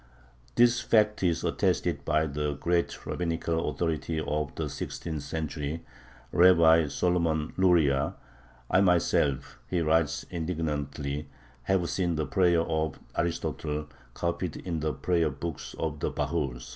This fact is attested by the great rabbinical authority of the sixteenth century, Rabbi Solomon Luria. "I myself" he writes indignantly "have seen the prayer of Aristotle copied in the prayer books of the bahurs."